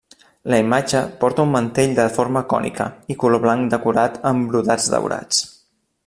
La imatge porta un mantell de forma cònica i color blanc decorat amb brodats daurats.